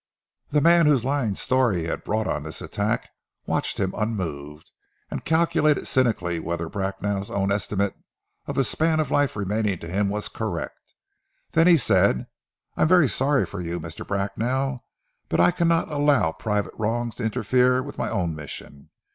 The man whose lying story had brought on this attack, watched him unmoved, and calculated cynically whether Bracknell's own estimate of the span of life remaining to him was correct; then he said, "I am very sorry for you, Mr. Bracknell, but I cannot allow private wrongs to interfere with my own mission.